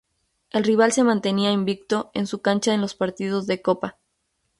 El rival se mantenía invicto en su cancha en los partidos de copa.